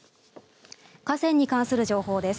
河川に関する情報です。